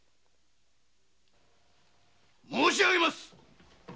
・申し上げます！